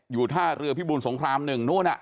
อยู่ท่าเรือพี่บุญสงครามหนึ่งนู่นน่ะ